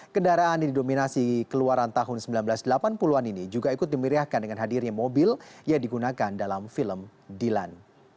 kendaraan yang didominasi keluaran tahun seribu sembilan ratus delapan puluh an ini juga ikut dimeriahkan dengan hadirnya mobil yang digunakan dalam film dilan